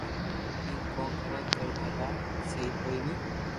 ايم ڪون ڪري ڪر ڀلي سھي ڪوئي ني